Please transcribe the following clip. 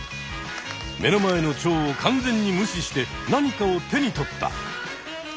目の前のチョウを完全に無視して何かを手に取った。